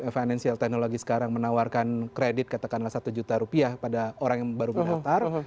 financial technology sekarang menawarkan kredit katakanlah satu juta rupiah pada orang yang baru mendaftar